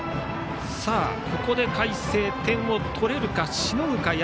ここで海、星点を取れるかしのぐか社。